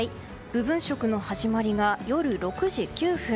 部分食の始まりが夜６時９分。